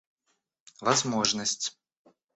возможность